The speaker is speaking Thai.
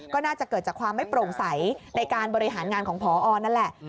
ก็น่าจะเกิดจากความไม่โปร่งใสในการบริหารงานของพอนั่นแหละ